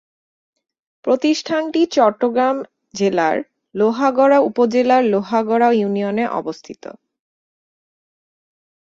প্রতিষ্ঠানটি চট্টগ্রাম জেলার লোহাগাড়া উপজেলার লোহাগাড়া ইউনিয়নে অবস্থিত।